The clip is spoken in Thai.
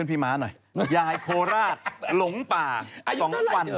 พี่ยายอยู่เมื่อไหน